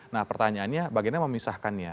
nah pertanyaannya bagiannya memisahkannya